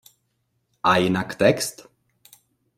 A jinak text?